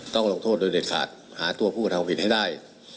ต้องลงโทษโดยเด็ดขาดหาตัวผู้กระทำผิดให้ได้